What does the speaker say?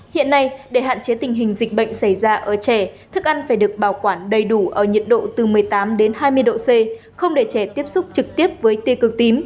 hiện nay để hạn chế tình hình dịch bệnh xảy ra ở trẻ thức ăn phải được bảo quản đầy đủ ở nhiệt độ từ một mươi tám đến hai mươi độ c không để trẻ tiếp xúc trực tiếp với tiêu cực tím